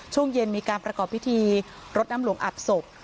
ช่วงเย็นมีการประกอบพิธีรดน้ำหลวงอาบศพ